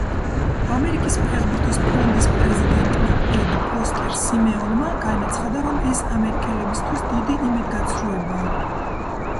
ამერიკის ფეხბურთის ფონდის პრეზიდენტმა ედ ფოსტერ სიმეონმა განაცხადა, რომ ეს ამერიკელებისთვის დიდი იმედგაცრუებაა.